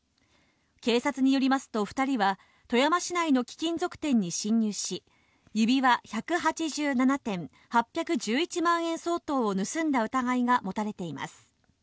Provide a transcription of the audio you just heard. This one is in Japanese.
警察によりますと、２人は、富山市内の貴金属店に侵入し、指輪１８７点、８１１万円相当を盗んだ疑いが持たれています。